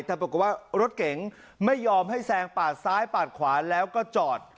แต่ปรากฏว่ารถเก๋งไม่ยอมให้แซงปาดซ้ายปาดขวาแล้วก็จอด